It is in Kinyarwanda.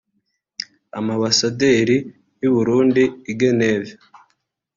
Amabasaderi w’u Burundi i Genève